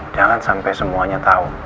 jangan sampai semuanya tau